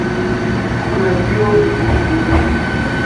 Kuna vyuo vikuu viwili.